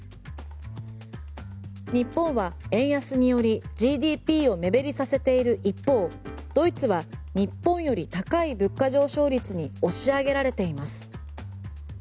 日本は円安によりＧＤＰを目減りさせている一方ドイツは日本より高い物価上昇率に押し上げられています。